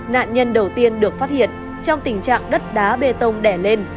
nạn nhân đầu tiên được phát hiện trong tình trạng đất đá bê tông đẻ lên